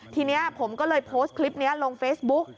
ทีนี้ผมก็เลยโพสต์คลิปนี้ลงเฟซบุ๊ก